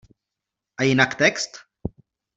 A jinak text?